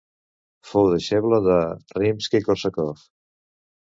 Fou deixeble de Rimski-Kórsakov.